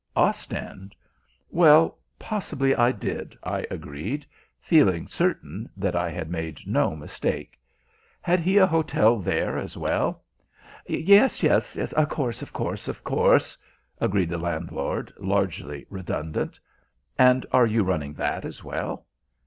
"Ostend? Well, possibly I did," I agreed, feeling certain that I had made no mistake. "Had he a hotel there as well?" "Yes, yes. Of course, of course, of course," agreed the landlord, largely redundant. "And are you running that as well?"